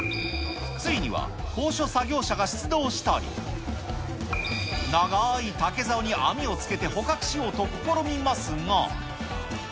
ついには高所作業車が出動したり、長い竹ざおに網をつけて捕獲しようと試みますが。